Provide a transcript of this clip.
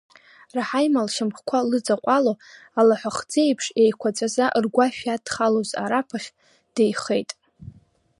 Раҳаима лшьамхқәа лыҵаҟәало, алаҳәахӡы еиԥш еиқәаҵәаӡа ргәашә иадхалоз Араԥ ахь деихеит.